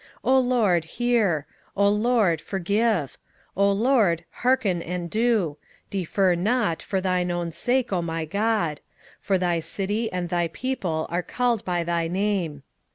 27:009:019 O Lord, hear; O Lord, forgive; O Lord, hearken and do; defer not, for thine own sake, O my God: for thy city and thy people are called by thy name.